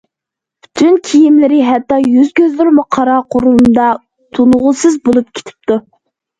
پۈتۈن كىيىملىرى ھەتتا يۈز كۆزلىرىمۇ قارا قۇرۇمدا تونۇغۇسىز بولۇپ كېتىپتۇ.